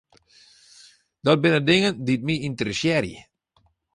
Dat binne dingen dy't my ynteressearje.